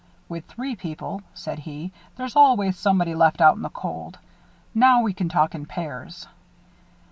"With three people," said he, "there's always somebody left out in the cold. Now we can talk in pairs."